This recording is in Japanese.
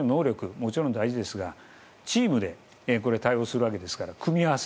もちろん大事ですがチームでこれは対応するわけですから組み合わせ。